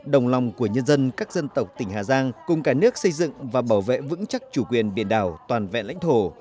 đồng lòng của nhân dân các dân tộc tỉnh hà giang cùng cả nước xây dựng và bảo vệ vững chắc chủ quyền biển đảo toàn vẹn lãnh thổ